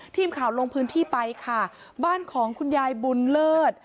ทีมข่าวลงพื้นที่ไปค่ะบ้านของคุณยายบุญเลิศ